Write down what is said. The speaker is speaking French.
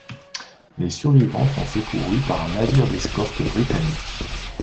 Les survivants sont secourus par un navire d'escorte britannique.